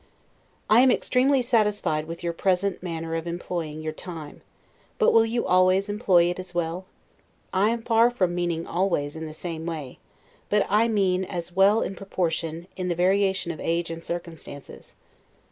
I am extremely satisfied with your present manner of employing your time; but will you always employ it as well? I am far from meaning always in the same way; but I mean as well in proportion, in the variation of age and circumstances.